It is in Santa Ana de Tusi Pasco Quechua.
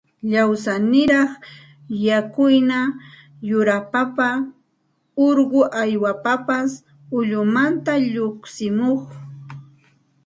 lawsaniraq yuraq yakuhina qaripapas urqu uywapapas ullunmanta lluqsimuq